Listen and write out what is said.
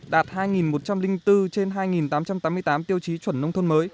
đạt hai một trăm linh bốn trên hai tám trăm tám mươi tám tiêu chí chuẩn nông thôn mới